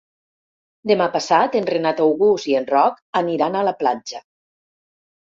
Demà passat en Renat August i en Roc aniran a la platja.